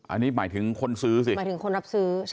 อันนี้หมายถึงคนซื้อสิหมายถึงคนรับซื้อ